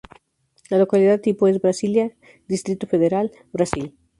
La localidad tipo es: Brasilia, Distrito Federal, Brasil.